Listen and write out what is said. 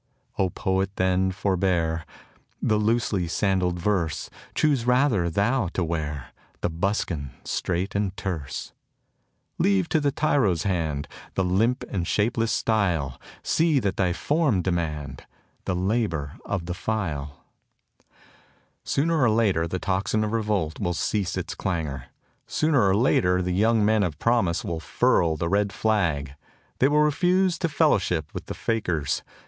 O Poet, then, forbear The loosely sandalled verse, Choose rather thou to wear The buskin strait and terse; Leave to the tyro's hand The limp and shapeless style; See that thy form demand The labor of the file. 19 THE TOCSIN OF REVOLT Sooner or later the tocsin of revolt will cease its clangor. Sooner or later the young men of promise will furl the red flag. They will refuse to fellowship with the fakers.